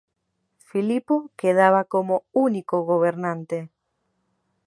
Filipo quedaba como único gobernante.